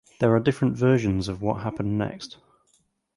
There are different versions of what happened next.